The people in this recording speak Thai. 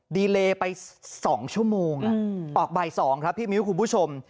ดีเลยร์ไปสองชั่วโมงออกใบสองครับผีมิวคุณผู้ชม